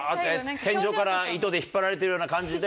天井から糸で引っ張られてるような感じで。